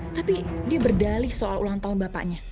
tapi dia berdalih soal ulang tahun bapaknya